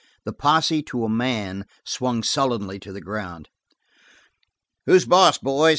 The posse, to a man, swung sullenly to the ground. "Who's boss, boys?"